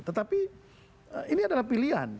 tetapi ini adalah pilihan